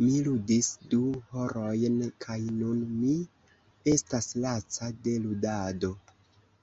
Mi ludis du horojn kaj nun mi estas laca de ludado.